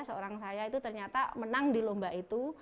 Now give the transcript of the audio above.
seorang saya itu ternyata menang di lomba itu